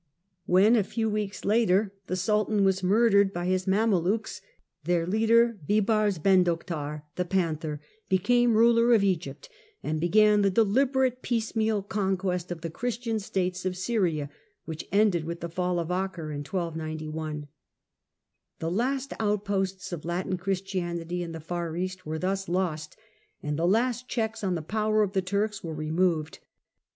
When, a few weeks later, the Sultan was murdered by his Mamelukes, their leader, Bibars Bendocdar, the " Panther," became ruler of Egypt and began the deliberate piecemeal conquest of the Christian states of Syria, which ended with the fall of Acre in 1291. The last outposts of Latin Christianity in the far East were thus lost, and the last checks on the power of the Turks were removed.